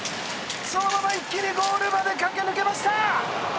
そのまま一気にゴールまで駆け抜けました！